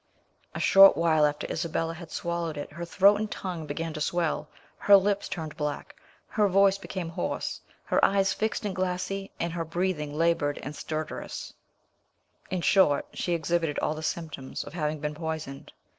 A short while after Isabella had swallowed it her throat and tongue began to swell, her lips turned black, her voice became hoarse, her eyes fixed and glassy, and her breathing laboured and stertorous: in short, she exhibited all the symptoms of having been poisoned.